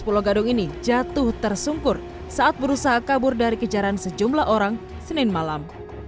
pulau gadung ini jatuh tersungkur saat berusaha kabur dari kejaran sejumlah orang senin malam